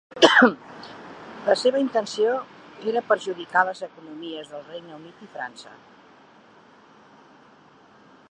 La seva intenció era perjudicar les economies del Regne Unit i França.